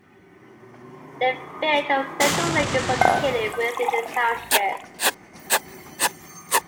The village of Central Lake is located within the township.